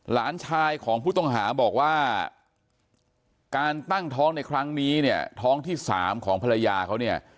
หลานชายของผู้ต้องหาบอกว่าการตั้งท้องในครั้งนี้เนี่ยท้องที่สามของภรรยาเขาเนี่ย